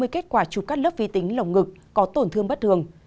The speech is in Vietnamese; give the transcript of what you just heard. năm mươi sáu mươi kết quả chụp các lớp vi tính lồng ngực có tổn thương bất thường